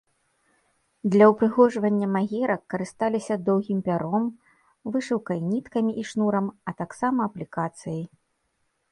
Для ўпрыгожвання магерак карысталіся доўгім пяром, вышыўках ніткамі і шнурам, а таксама аплікацыяй.